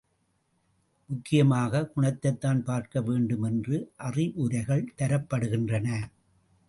முக்கியமாகக் குணத்தைத்தான் பார்க்க வேண்டும் என்ற அறிவுரைகள் தரப்படுகின்றன.